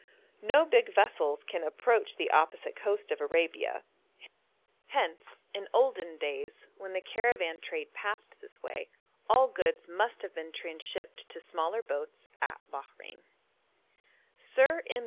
No big vessels can approach the opposite coast of Arabia; hence, in olden days, when the caravan trade passed this way, all goods must have been transhipped to smaller boats at Bahrein. Sir M.